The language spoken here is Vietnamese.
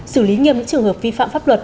xử lý nghiêm trường hợp vi phạm pháp luật